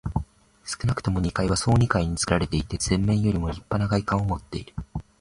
少なくとも二階は総二階につくられていて、前面よりもりっぱな外観をもっている。